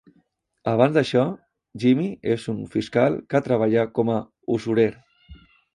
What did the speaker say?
Abans d'això, Jimmy és un fiscal que treballa com a usurer.